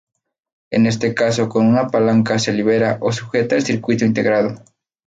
En este caso con una palanca se libera o sujeta el circuito integrado.